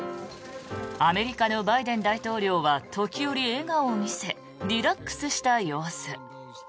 アメリカのバイデン大統領は時折、笑顔を見せリラックスした様子。